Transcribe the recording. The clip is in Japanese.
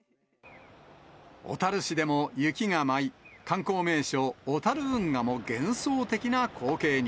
小樽市でも雪が舞い、観光名所、小樽運河も幻想的な光景に。